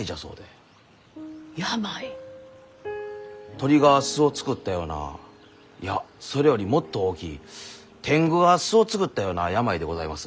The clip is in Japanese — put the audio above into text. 鳥が巣を作ったようないやそれよりもっと大きい天狗が巣を作ったような病でございます。